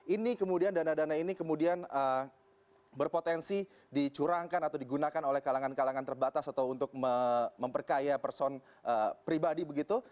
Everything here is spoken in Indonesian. ini kemudian dana dana ini kemudian berpotensi dicurangkan atau digunakan oleh kalangan kalangan terbatas atau untuk memperkaya person pribadi begitu